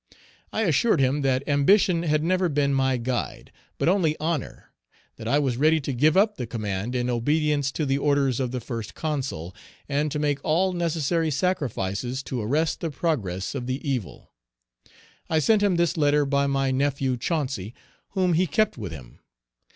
I assured him that ambition had never been my guide, but only honor; that I was ready to give up the command in obedience to the orders of the First Consul, and to make all necessary sacrifices to arrest the progress of the evil. I sent him this letter by my nephew Chancy, whom he kept with him.